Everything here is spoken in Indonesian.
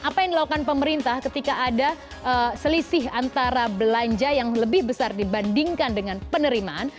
apa yang dilakukan pemerintah ketika ada selisih antara belanja yang lebih besar dibandingkan dengan penerimaan